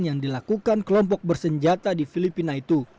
yang dilakukan kelompok bersenjata di filipina itu